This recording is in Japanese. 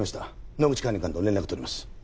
野口管理官と連絡取ります。